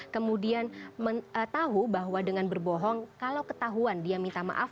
kemudian tahu bahwa dengan berbohong kalau ketahuan dia minta maaf